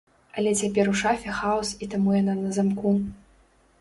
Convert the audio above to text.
Але цяпер у шафе хаос і таму яна на замку.